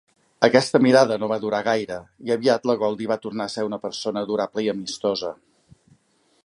Aquesta mirada no va durar gaire i aviat la Goldy va tornar a ser una persona adorable i amistosa.